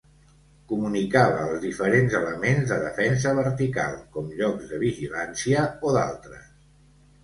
Comunicava els diferents elements de defensa vertical, com llocs de vigilància o d'altres.